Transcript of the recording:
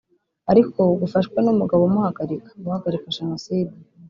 ariko gufashwe n’umugabo umuhagarika[guhagarika Jenoside]